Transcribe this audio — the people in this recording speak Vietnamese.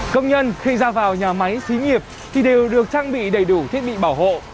công nhân khi ra vào nhà máy xí nghiệp thì đều được trang bị đầy đủ thiết bị bảo hộ